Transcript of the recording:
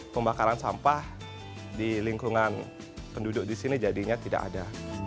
pembakaran sampah di lingkungan penduduk di sini jadinya tidak ada